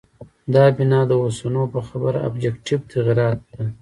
دا بنا د اوسنو په خبره آبجکټیف تغییراتو ده.